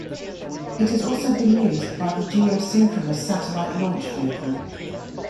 It has also been used by the Geosynchronous Satellite Launch Vehicle.